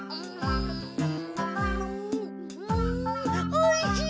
おいしい！